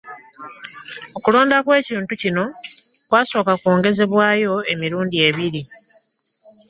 Okulonda kw'ekitundu kino kwasooka kwongezebwayo emirundi ebiri